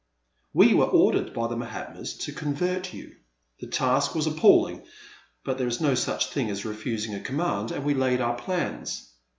We were ordered by the Mahatmas to convert you. The task was appall ing — but there is no such thing as refusing a command, and we laid our plans.